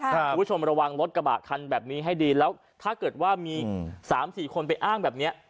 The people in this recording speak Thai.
คุณผู้ชมระวังรถกระบะคันแบบนี้ให้ดีแล้วถ้าเกิดว่ามี๓๔คนไปอ้างแบบนี้